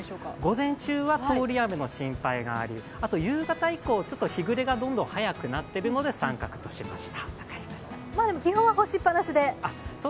午前中は通り雨の心配があり、夕方以降日暮れがどんどん早くなっているので△としました。